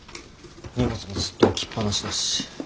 荷物もずっと置きっぱなしだし。